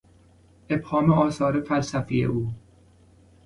ابهام آثار فلسفی او